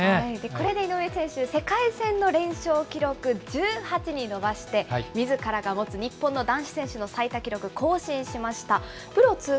これで井上選手、世界戦の連勝記録１８に伸ばして、みずからが持つ日本の男子選手の最多記録、更新しました。